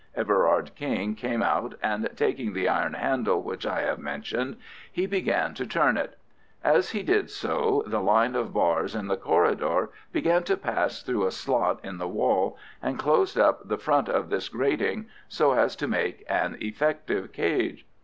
Everard King came out, and taking the iron handle which I have mentioned, he began to turn it. As he did so the line of bars in the corridor began to pass through a slot in the wall and closed up the front of this grating, so as to make an effective cage.